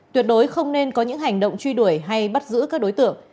tuyệt đối không nên có những hành động truy đuổi hay bắt giữ các đối tượng